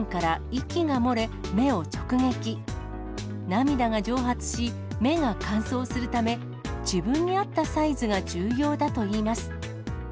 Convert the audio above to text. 涙が蒸発し、目が乾燥するため、自分に合ったサイズが重要だといいます。